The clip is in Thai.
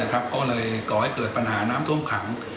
ก็เลยก่อให้เกิดปัญหาน้ำท่วมขัง